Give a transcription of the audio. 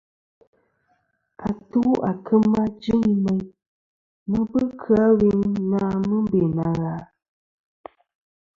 Atu à kema jɨŋi meyn, mɨ bu kɨ-a wi na mɨ be na gha.